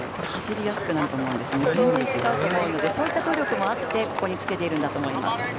走りやすくなると思うんで全然違うと思うのでそういった努力もあってここにつけていると思います。